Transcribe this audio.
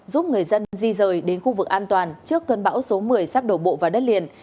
giúp người dân di rời đến khu vực an toàn trước cơn bão số một mươi sắp đổ bộ vào đất liền